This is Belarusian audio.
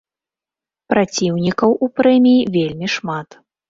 Праціўнікаў у прэміі вельмі шмат.